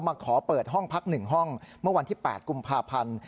ขอเปิดห้องพัก๑ห้องเมื่อวันที่๘กุมภาพันธ์